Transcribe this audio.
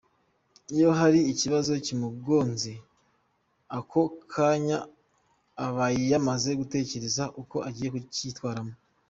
Iyo hari ikibazo kimugonze ako kanya abayamaze gutekereza uko agiye kucyitwaramo.